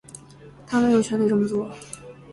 他没有权力这么做